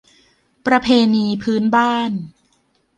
ประเพณีพื้นบ้าน